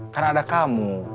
kan ada kamu